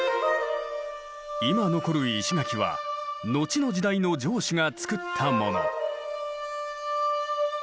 今残る石垣は後の時代の城主が造ったもの。